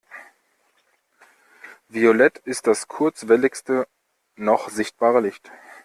Violett ist das kurzwelligste noch sichtbare Licht.